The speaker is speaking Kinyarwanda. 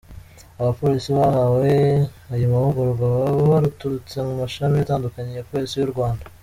Abapolisi bahawe ayo mahugurwa baba baraturutse mu mashami atandukanye ya Polisi y’u Rwanda.